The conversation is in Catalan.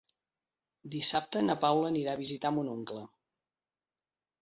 Dissabte na Paula anirà a visitar mon oncle.